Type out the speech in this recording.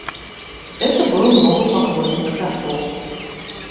Это был новый поклонник Сафо.